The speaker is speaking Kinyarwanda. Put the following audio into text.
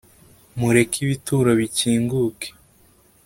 mureke ibituro bikinguke